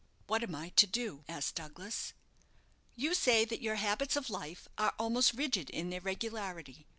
"What am I to do?" asked Douglas. "You say that your habits of life are almost rigid in their regularity.